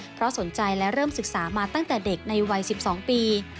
เพราะสนใจและเริ่มศึกษามาตั้งแต่เด็กในวัย๑๒ปี